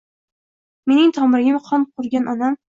Mening tomirimga qon quigan onam